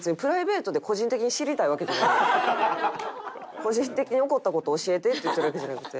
個人的に怒った事教えてって言ってるわけじゃなくて。